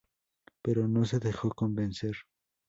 Pero no se dejó convencer.